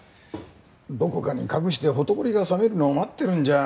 どこかに隠してほとぼりが冷めるのを待ってるんじゃ。